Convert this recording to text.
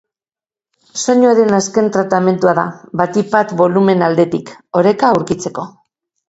Soinuaren azken tratamendua da, batik bat bolumen aldetik, oreka aurkitzeko.